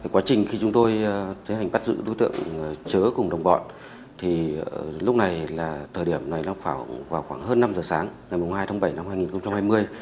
quá trình khi chúng tôi tiến hành bắt giữ đối tượng chớ cùng đồng bọn thì lúc này là thời điểm này nó vào khoảng hơn năm giờ sáng ngày hai tháng bảy năm hai nghìn hai mươi